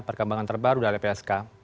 perkembangan terbaru dari lpsk